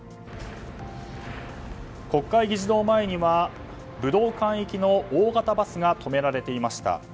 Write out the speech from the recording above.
国会議事堂前には武道館行きの大型バスが止められていました。